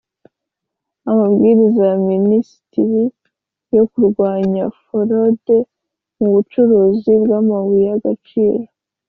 Amabwiriza ya Minisitiri yo kurwanya forode mu bucuruzi bw’amabuye y’agaciro